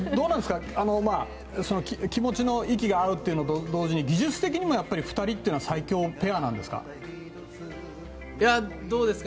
気持ちの息が合うというのと同時に技術的にも２人っていうのは最強ペアなんですか？